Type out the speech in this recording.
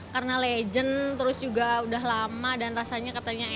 karena legend terus juga udah lama dan rasanya katanya enak